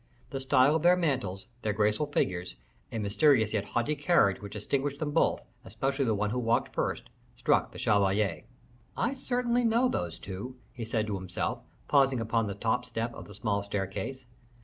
The style of their mantles, their graceful figures, a mysterious yet haughty carriage which distinguished them both, especially the one who walked first, struck the chevalier. "I certainly know those two," he said to himself, pausing upon the top step of the small staircase.